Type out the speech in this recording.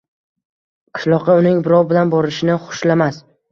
Qishloqqa uning birov bilan borishini xushlamas